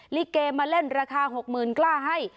ลิเกมาเล่นราคา๖๐๐๐กล้าให้